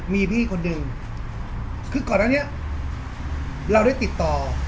มีพี่คนนึงคือก่อนนั้นเราได้แล้วติดต่อ